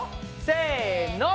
せの！